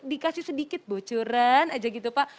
dikasih sedikit bocoran aja gitu pak